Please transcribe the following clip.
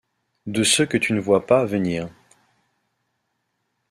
De ceux que tu ne vois pas venir.